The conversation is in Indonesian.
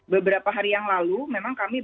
beberapa hari yang lalu memang kami